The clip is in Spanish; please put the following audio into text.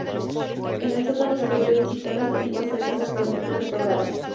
En el sótano se pueden visitar las antiguas celdas, actualmente restauradas.